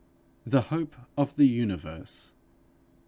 _THE HOPE OF THE UNIVERSE.